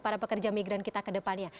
para pekerja migran kita ke depannya